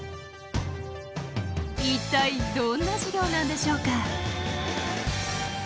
一体どんな授業なんでしょうか。